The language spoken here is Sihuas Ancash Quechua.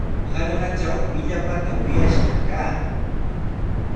Hallqatraw illapata wiyash kaa.